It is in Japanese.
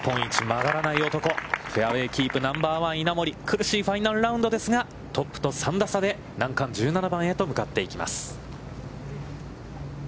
曲がらない男、フェアウェイキープナンバーワン稲森、苦しいファイナルラウンドですが、トップと３打差で難関１７番へと向かっていきます。